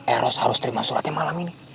eros harus terima suratnya malam ini